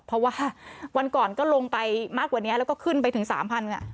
เพราะว่าวันก่อนก็ลงไปมากกว่านี้แล้วก็ขึ้นไปถึง๓๐๐ค่ะ